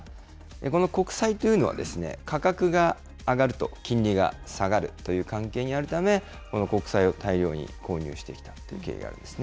この国債というのは価格が上がると金利が下がるという関係にあるため、この国債を大量に購入していったという経緯があるんですね。